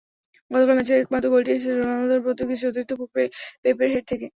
গতকাল ম্যাচের একমাত্র গোলটি এসেছে রোনালদোর পর্তুগিজ সতীর্থ পেপের হেড থেকে।